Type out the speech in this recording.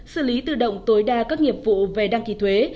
xử lý tự động tối đa các nghiệp vụ về đăng ký thuế